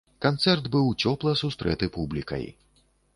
Канцэрт быў цёпла сустрэты публікай.